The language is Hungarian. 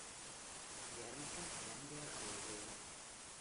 Gyermeke Lengyel Aurél.